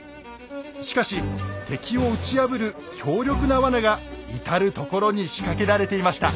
しかし敵を打ち破る強力な罠が至る所に仕掛けられていました。